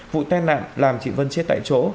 vụ tai nạn làm chị vân chết tại chỗ